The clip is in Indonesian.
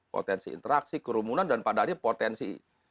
potensi interaksi kerumunan dan padahal ini potensi